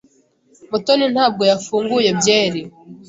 Mutoni ntabwo yafunguye byeri.